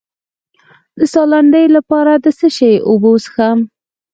د ساه لنډۍ لپاره د څه شي اوبه وڅښم؟